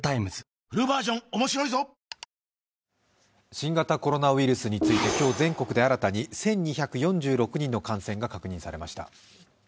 新型コロナウイルスについて今日全国で新たに１２４６人の感染が確認されました。